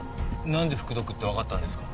なんで服毒ってわかったんですか？